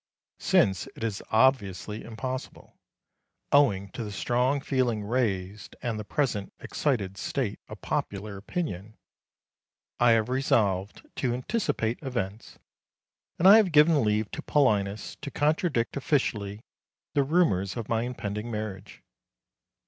Since it is obviously impossible owing to the strong feeling raised and the present excited state of popular opinion I have resolved to anticipate events, and I have given leave to Paulinus to contradict officially the rumours of my impending marriage.